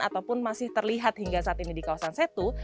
ataupun masih terlihat hingga saat ini di kawasan setu